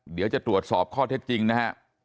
เดี๋ยวจะตรวจสอบข้อเท็จจริงนะฮะ